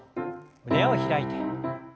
胸を開いて。